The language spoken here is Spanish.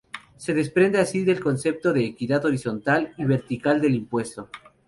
Se desprende así el concepto de equidad horizontal y vertical del impuesto.